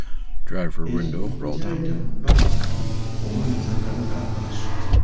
Ekinyonyi bwe kyayita mu bbanga, omwana n'akanula amaaso.